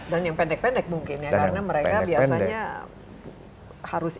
dan yang pendek pendek mungkin ya karena mereka biasanya harus instan harus cepat harus